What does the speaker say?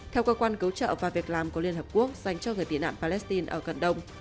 theo cơ quan cứu trợ và việc làm của liên hợp quốc dành cho người tị nạn palestine ở gần đông